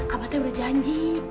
abah tia udah janji